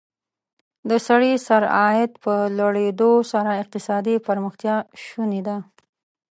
د سړي سر عاید په لوړېدو سره اقتصادي پرمختیا شونې ده.